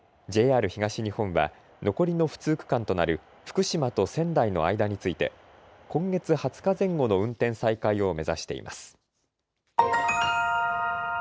ＪＲ東日本は残りの不通区間となる福島と仙台の間について今月２０日前後の運転再開を目指しています。